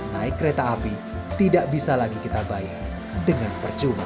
naik kereta api tidak bisa lagi kita bayar dengan percuma